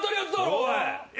おい！